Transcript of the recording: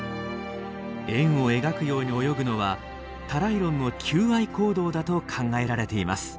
円を描くように泳ぐのはタライロンの求愛行動だと考えられています。